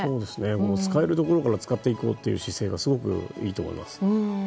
使えるところから使っていこうという姿勢がすごくいいと思います。